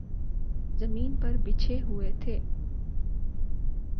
زمین پر بچھے ہوئے تھے۔